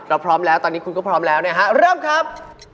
พร้อมแล้วตอนนี้คุณก็พร้อมแล้วนะฮะเริ่มครับ